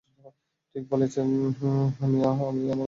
ঠিক বলেছ হাই, আমি, আহ আমি আমার বোনের খোঁজে এসেছি।